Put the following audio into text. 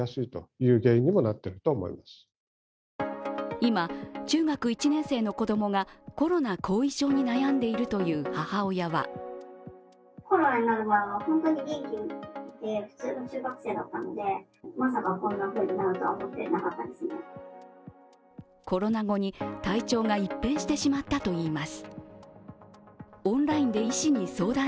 今、中学１年生の子供がコロナ後遺症に悩んでいるという母親はコロナ後に体調が一変してしまったといいます。